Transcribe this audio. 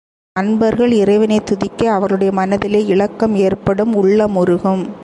அன்பர்கள் இறைவனைத் துதிக்க அவர்களுடைய மனத்திலே இளக்கம் ஏற்படும் உள்ளம் உருகும்.